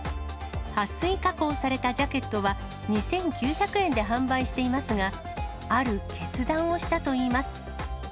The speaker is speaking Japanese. はっ水加工されたジャケットは２９００円で販売していますが、ある決断をしたといいます。